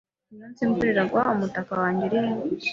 Uyu munsi imvura iragwa. Umutaka wanjye uri he?